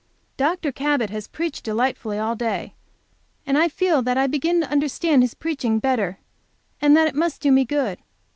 Dr. Cabot has preached delightfully all day, and I feel that I begin to understand his preaching better, and that it must do me good.